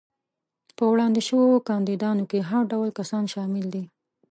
په وړاندې شوو کاندیدانو کې هر ډول کسان شامل دي.